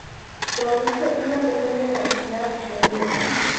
Produce una pequeña cantidad de miel.